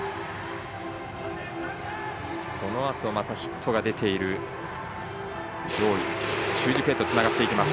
そのあとまたヒットが出ている中軸へとつながります。